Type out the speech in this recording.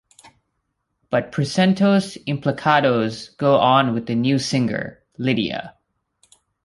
But Presuntos Implicados go on with a new singer, Lydia.